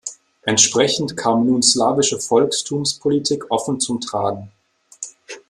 Entsprechend kam nun slawische Volkstumspolitik offen zum Tragen.